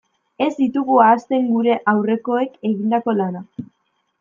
Ez ditugu ahazten gure aurrekoek egindako lanak.